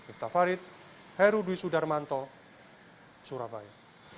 iftafarit heru dwi sudarmanto surabaya